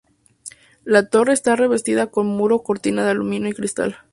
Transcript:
La torre está revestida con muro cortina de aluminio y cristal.